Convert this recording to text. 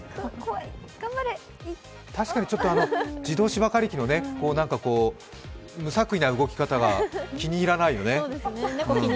自動芝刈り機の無作為な動きが気に入らないよね。